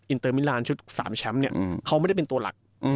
อินเตอร์มิลานชุด๓แชมป์เนี่ยเขาไม่ได้เป็นตัวหลัก